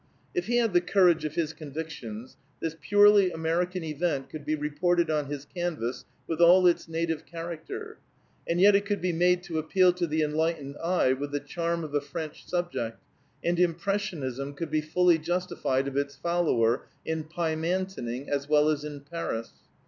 If he had the courage of his convictions, this purely American event could be reported on his canvas with all its native character; and yet it could be made to appeal to the enlightened eye with the charm of a French subject, and impressionism could be fully justified of its follower in Pymantoning as well as in Paris.